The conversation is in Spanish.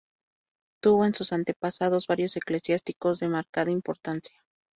Tuvo en sus antepasados varios eclesiásticos de marcada importancia.